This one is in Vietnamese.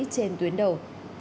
trên tuyến đầu